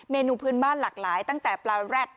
นูพื้นบ้านหลากหลายตั้งแต่ปลาแร็ด